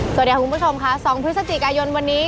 สวัสดีค่ะคุณผู้ชมค่ะ๒พฤศจิกายนวันนี้